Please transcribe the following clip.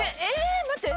待って！